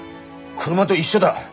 車と一緒だ。